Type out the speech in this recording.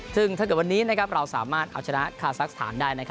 ซึ่งถ้าเกิดวันนี้เราสามารถเอาชนะคาซักสถานได้